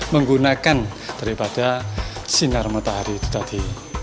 menggunakan daripada sinar matahari itu tadi